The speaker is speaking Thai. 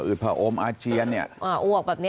คือไม่ห่วงไม่หาวแล้วไป